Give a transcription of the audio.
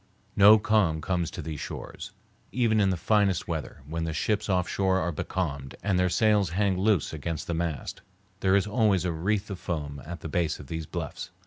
No calm comes to these shores. Even in the finest weather, when the ships off shore are becalmed and their sails hang loose against the mast, there is always a wreath of foam at the base of these bluffs.